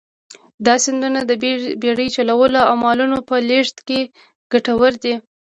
دا سیندونه د بېړۍ چلولو او مالونو په لېږد کې کټوردي.